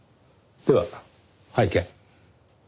では拝見。